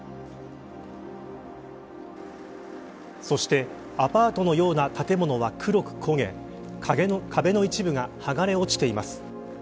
そしてアパートのような建物は黒く焦げ壁の一部がはがれ落ちています。